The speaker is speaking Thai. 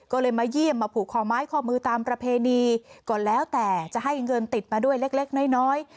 ก็เลยมาเยี่ยมมาผูกคอไม้ข้อมือตามประเพณีก่อนแล้วแต่จะให้เงินติดมาด้วยเล็กเล็กน้อยน้อย